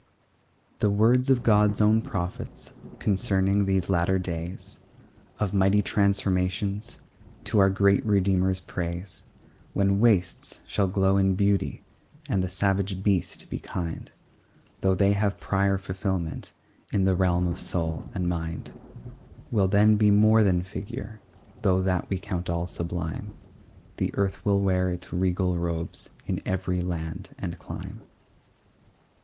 The words of God's own prophets Concerning these latter days Of mighty transformations, To our great Redeemer's praise; When wastes shall glow in beauty, And the savage beast be kind, Though they have prior fulfilment In the realm of soul and mind; Will then be more than figure, Though that we all count sublime; The earth will wear its regal robes In every land and clime.